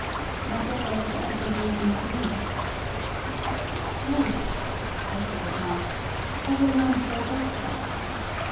My brother was also gazing at me. " 'Wait,' I said at last, 'I will run for a doctor.'